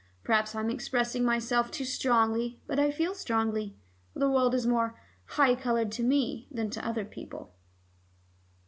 Perhaps I am expressing myself too strongly, but I feel strongly. The world is more high colored to me than to other people."